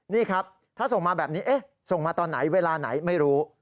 นี่ครับถ้าส่งมาแบบนี้ส่งมาตอนไหนเวลาไหนไม่รู้